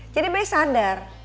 jadi be sadar